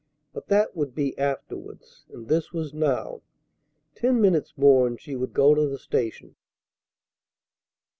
But that would be afterwards, and this was now! Ten minutes more, and she would go to the station!